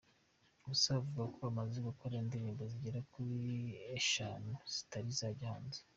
Gusa avuga ko amaze gukora indirimbo zigera kuri eshanu zitari zajya hanze.